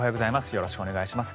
よろしくお願いします。